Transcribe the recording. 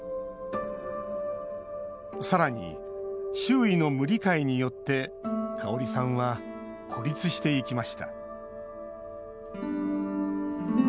さらに、周囲の無理解によってカオリさんは孤立していきました。